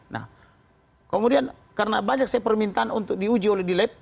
nah kemudian karena banyak saya permintaan untuk diuji oleh di lab